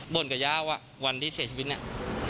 กับย่าว่าวันที่เสียชีวิตเนี่ย